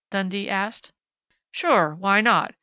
Dundee asked. "Sure! Why not?